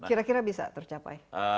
kira kira bisa tercapai